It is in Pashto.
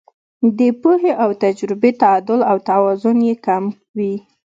د پوهې او تجربې تعدل او توازن یې کم وي.